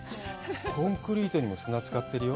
コンクリートにも砂使ってるよ。